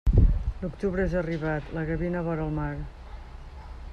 L'octubre és arribat, la gavina vora el mar.